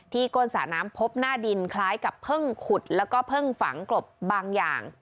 ก้นสระน้ำพบหน้าดินคล้ายกับเพิ่งขุดแล้วก็เพิ่งฝังกลบบางอย่าง